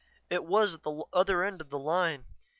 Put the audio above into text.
It was at the other end of the line.